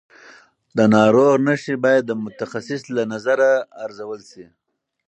د ناروغ نښې باید د متخصص له نظره ارزول شي.